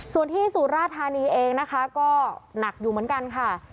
ส่วนที่สุราธานีเองนะคะก็หนักอยู่เหมือนกันค่ะ